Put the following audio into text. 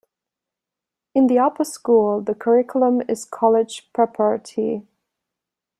In the Upper School, the curriculum is college preparatory.